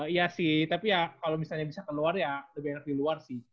iya sih tapi ya kalau misalnya bisa keluar ya lebih enak di luar sih